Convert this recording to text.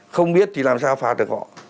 không biết thì làm sao phạt được họ